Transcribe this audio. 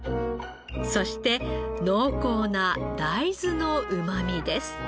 そして濃厚な大豆のうまみです。